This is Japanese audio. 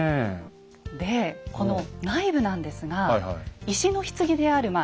でこの内部なんですが石のひつぎであるま